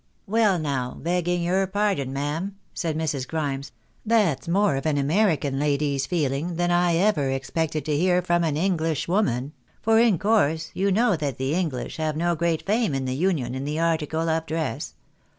" Well, now, begging your pardon, ma'am," said JNIrs. Grimes " that's more of an American lady's feeUng than I ever expected to INSPIRED TO WRITE A BOOK ON AMERICA. 113 hear from an English woman; for in course you know that the English have no great fame in the Union in the article of dress.